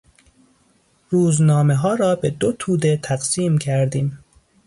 روزنامهها را به دو توده تقسیم کردیم.